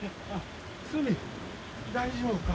澄大丈夫か？